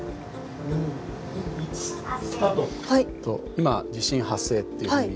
今地震発生っていうふうに。